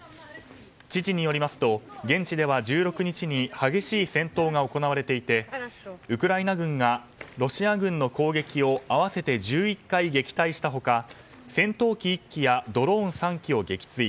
知事によりますと現地では１６日に激しい戦闘が行われていてウクライナ軍がロシア軍の攻撃を合わせて１１回、撃退した他戦闘機１機やドローン３機を撃墜。